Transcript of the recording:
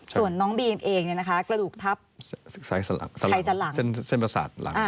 ส่วนน้องบีมเองกระดูกทับใส่สลังเส้นประสาทหลัง